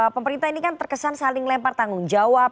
pemerintah ini kan terkesan saling lempar tanggung jawab